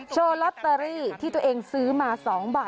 โชว์ลอตเตอรี่ที่ตัวเองซื้อมา๒บาท